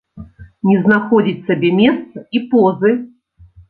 Не знаходзіць сабе месца і позы.